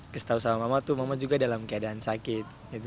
kesetauan sama mama tuh mama juga dalam keadaan sakit